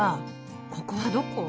ここはどこ？